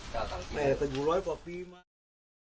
สวัสดีครับทุกคน